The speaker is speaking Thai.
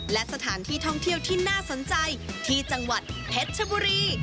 และสถานที่ท่องเที่ยวที่น่าสนใจที่จังหวัดเพชรชบุรี